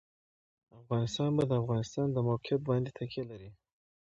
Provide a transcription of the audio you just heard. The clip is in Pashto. افغانستان په د افغانستان د موقعیت باندې تکیه لري.